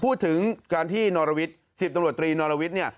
พูดถึงการที่นรวิทย์๑๐ตำรวจตรีนอรวิทย์เนี่ย